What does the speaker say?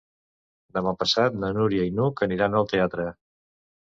Demà passat na Núria i n'Hug aniran al teatre.